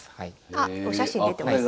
あっお写真出てますね。